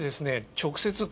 直接。